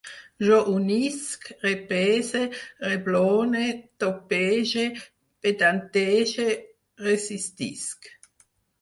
Jo unisc, repese, reblone, toquege, pedantege, resistisc